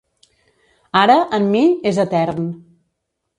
Ara, en mi, és etern.